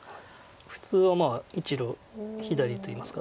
普通は１路左といいますか。